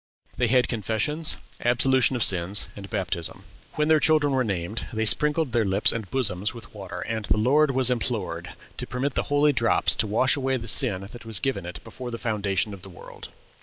They had confessions, absolution of sins, and baptism. When their children were named, they sprinkled their lips and bosoms with water, and "the Lord was implored to permit the holy drops to wash away the sin that was given it before the foundation of the world."